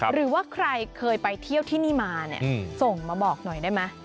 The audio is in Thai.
หรือว่าใครเคยไปเที่ยวที่นี่มาเนี่ยส่งมาบอกหน่อยได้ไหม